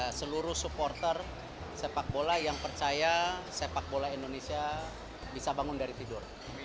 sehingga seluruh supporter sepak bola yang percaya sepak bola indonesia bisa bangun dari tidur